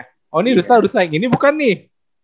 oh ini rustah rustah yang gini bukan nih